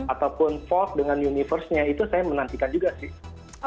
ataupun folk dengan universe nya itu saya menantikan juga sih